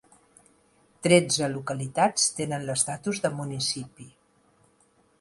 Tretze localitats tenen l'estatus de municipi.